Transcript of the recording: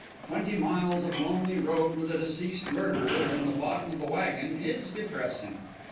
Twenty miles of lonely road with a deceased murderer in the bottom of the wagon is depressing.